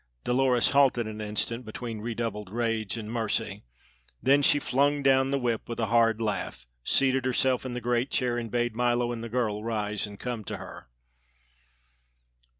Dolores halted an instant between redoubled rage and mercy; then she flung down the whip with a hard laugh, seated herself in the great chair, and bade Milo and the girl rise and come to her.